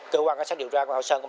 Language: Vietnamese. cơ quan cảnh sát điều tra của thoại sơn